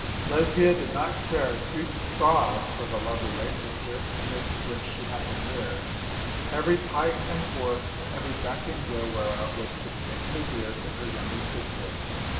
Lesbia did not care two straws for the lovely lake district amidst which she had been reared, every pike and force, every beck and gill whereof was distinctly dear to her younger sister.